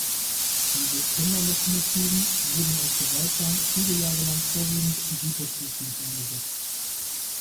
Diese Tenderlokomotiven wurden auf der Waldbahn viele Jahre lang vorwiegend im Güterzugdienst eingesetzt.